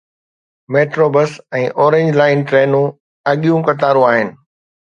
Metro bus ۽ Orange Line ٽرينون اڳيون قطارون آهن.